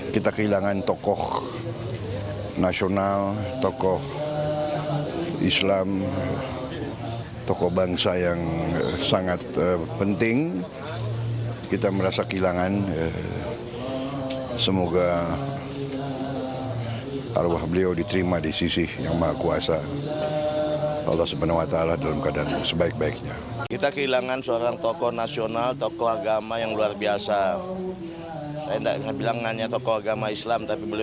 kita kehilangan tokoh nasional tokoh islam tokoh bangsa yang sangat penting kita merasa kehilangan semoga arwah beliau diterima di sisi yang maha kuasa